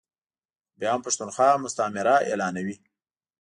خو بیا هم پښتونخوا مستعمره اعلانوي ا